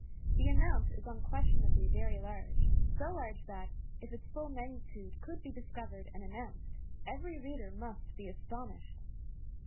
The amount is unquestionably very large; so large that, if its full magnitude could be discovered and announced, every reader must be astonished.